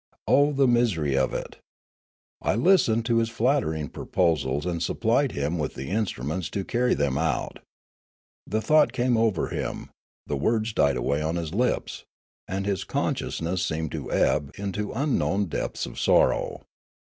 Oh, the misery of it ! I listened to his flattering proposals, and supplied him with the instruments to carry them out. '' The thought overcame him ; the words died away on his lips; and his consciousness seemed to ebb into unknown depths of sorrow.